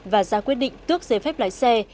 và ra quyết định tước giề phép lái xe